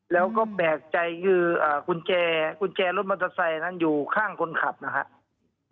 แล้วก็แบกใจคือคุณแจลดมอเตอร์ไซค์อยู่ข้างคนขับนะครับ